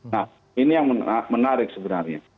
nah ini yang menarik sebenarnya